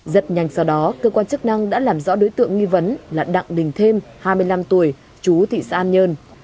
rất nhanh sau đó cơ quan chức năng đã làm rõ đối tượng nghi vấn là đặng đình thêm hai mươi năm tuổi chú thị xã an nhơn